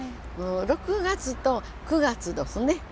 ６月と９月どすね。